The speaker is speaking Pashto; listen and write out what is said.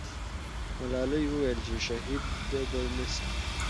ملالۍ وویل چې شهیده به نه سي.